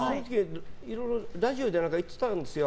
いろいろラジオで言ってたんですよ。